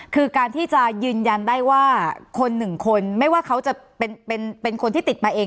คือการที่จะยืนยันได้ว่าคนหนึ่งคนไม่ว่าเขาจะเป็นคนที่ติดมาเอง